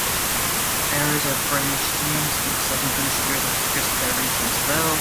Areas of branched streams, in the southern hemisphere, suggested that rain once fell.